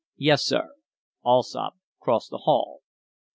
"Yes, sir." Allsopp crossed the hall.